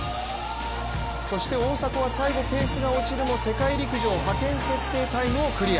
そして大迫は最後はペースが落ちるも世界陸上派遣設定タイムをクリア。